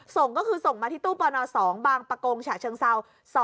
ส่งก็คือส่งมาที่ตู้ปน๒บางประกงฉะเชิงเศร้า